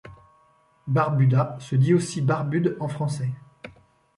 Barbuda se dit aussi Barbude en français.